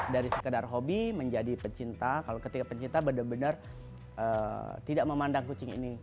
dari sekedar hobi menjadi pecinta kalau ketika pencinta benar benar tidak memandang kucing ini